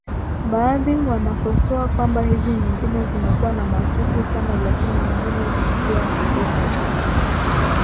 baadhi wanakosoa kwamba hizi nyingine zinakuwa na matusi sana lakini nyingine zinakuwa hazina